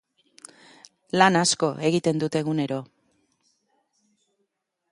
Lan asko egiten dut egunero.